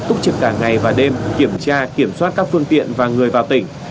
túc trực cả ngày và đêm kiểm tra kiểm soát các phương tiện và người vào tỉnh